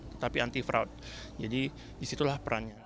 tetapi anti fraud jadi disitulah perannya